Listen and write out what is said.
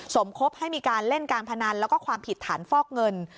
สมคบให้มีการเล่นการพนันแล้วก็ความผิดฐานฟอกเงิน